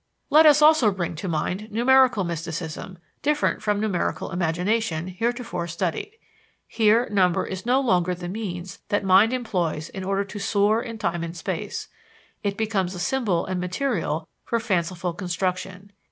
Let us also bring to mind numerical mysticism, different from numerical imagination heretofore studied. Here, number is no longer the means that mind employs in order to soar in time and space; it becomes a symbol and material for fanciful construction.